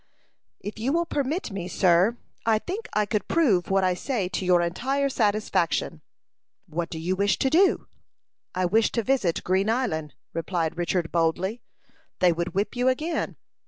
"If you will permit me, sir, I think I could prove what I say to your entire satisfaction." "What do you wish to do?" "I wish to visit Green Island," replied Richard, boldly. "They would whip you again."